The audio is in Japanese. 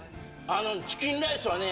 あの『チキンライス』はね